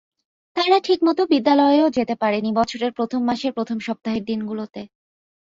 তারা ঠিকমতো বিদ্যালয়েও যেতে পারেনি বছরের প্রথম মাসের প্রথম সপ্তাহের দিনগুলোতে।